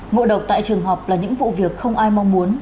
ngộ độc tại trường học là những vụ việc không ai mong muốn